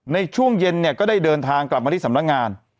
ในช่วงเย็นเนี่ยก็ได้เดินทางกลับมาที่สำนักงาน